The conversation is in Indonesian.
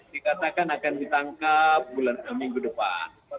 dikatakan akan ditangkap minggu depan